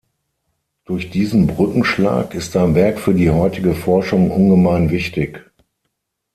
Durch diesen Brückenschlag ist sein Werk für die heutige Forschung ungemein wichtig.